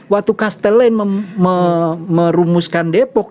waktu castellane merumuskan depok